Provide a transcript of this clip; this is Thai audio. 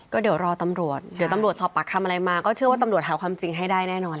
ก็เดี๋ยวรอตำรวจเดี๋ยวตำรวจสอบปากคำอะไรมาก็เชื่อว่าตำรวจหาความจริงให้ได้แน่นอน